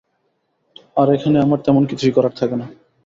আর এখানে আমার তেমন কিছুই করার থাকে না।